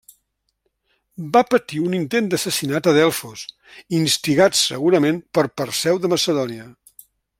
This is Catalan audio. Va patir un intent d'assassinat a Delfos, instigat segurament per Perseu de Macedònia.